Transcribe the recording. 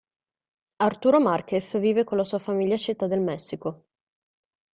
Arturo Márquez vive con la sua famiglia a Città del Messico.